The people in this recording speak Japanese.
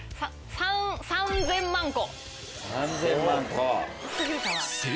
３０００万個。